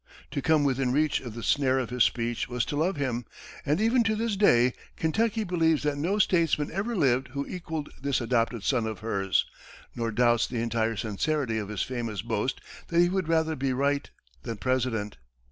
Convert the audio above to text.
"To come within reach of the snare of his speech was to love him," and even to this day Kentucky believes that no statesman ever lived who equalled this adopted son of hers, nor doubts the entire sincerity of his famous boast that he would rather be right than President.